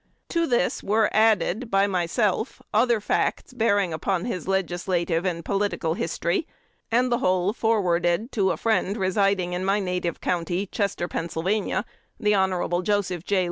To this were added, by myself, other facts bearing upon his legislative and political history, and the whole forwarded to a friend residing in my native county (Chester, Pa.), the Hon. Joseph J.